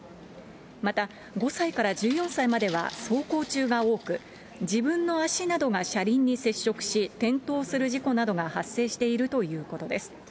また、５歳から１４歳までは走行中が多く、自分の足などが車輪に接触し、転倒する事故などが発生しているということです。